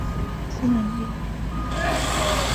可看到安房国国分寺是比其他国家较为晚期建立。